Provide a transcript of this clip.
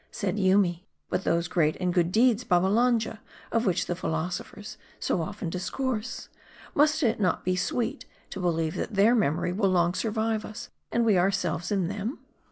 Said Yobmy, " But those great and good deeds, Babba lanja, of which the philosophers so often discourse : must it not be sweet to believe that their memory will long survive us ; and we ourselves in them